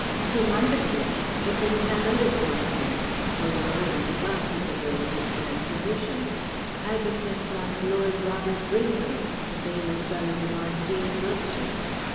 He might have been, but that he had other compeers, below and above his abilities and position; advocates like Lord Robert Brinsley, the famous son of the Marquis of Wiltshire.